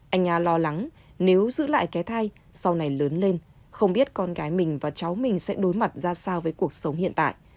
anh a lo lắng nếu giữ lại cái thai sau này lớn lên không biết con gái mình và cháu mình sẽ đối mặt ra sao với cuộc sống hiện tại